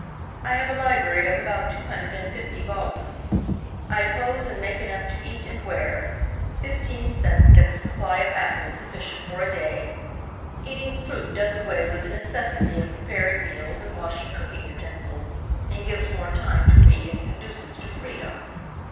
I have a library of about two hundred and fifty volumes; I pose and make enough to eat and wear; fifteen cents gets a supply of apples sufficient for a day; eating fruit does away with the necessity of preparing meals and washing cooking utensils, and gives more time to read and conduces to freedom.